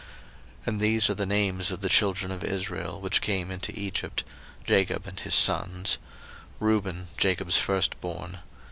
01:046:008 And these are the names of the children of Israel, which came into Egypt, Jacob and his sons: Reuben, Jacob's firstborn.